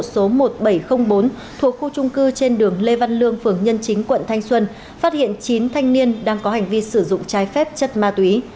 số một nghìn bảy trăm linh bốn thuộc khu trung cư trên đường lê văn lương phường nhân chính quận thanh xuân phát hiện chín thanh niên đang có hành vi sử dụng trái phép chất ma túy